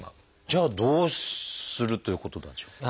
じゃあどうするということなんでしょう？